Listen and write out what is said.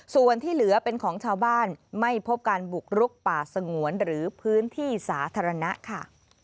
ส่วนที่เหลือเป็นของชาวบ้านไม่พบการบุกรุกป่าสงวนหรือพื้นที่สาธารณะค่ะ